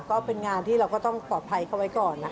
ก็เป็นงานที่เราก็ต้องปลอดภัยเขาไว้ก่อนนะ